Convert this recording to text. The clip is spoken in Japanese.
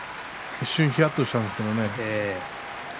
一瞬ひやっとしたんですけどね。